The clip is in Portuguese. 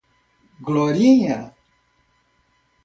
Glorinha